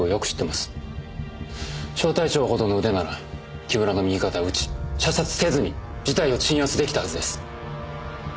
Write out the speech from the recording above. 小隊長ほどの腕なら木村の右肩を撃ち射殺せずに事態を鎮圧出来たはずです。